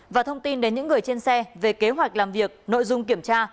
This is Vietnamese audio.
và thông tin đến những người trên xe về kế hoạch làm việc nội dung kiểm tra